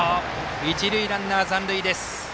一塁ランナー残塁です。